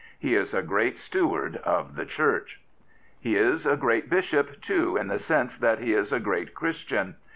He is a great steward of the Church. He is a great bishop, too, in the sense that he is a great Christian.